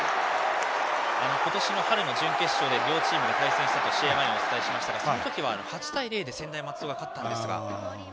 今年の春の準決勝で両チームが対戦したと試合前にお伝えしましたがその時は８対０で専大松戸が勝ちました。